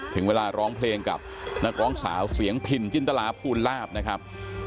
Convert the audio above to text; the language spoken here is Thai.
ถึงเวลาร้องเพลงกับนักร้องสาวเสียงพินจินตราภูลาภนะครับ